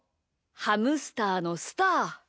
ハムスターのスター。